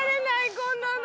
こんなの。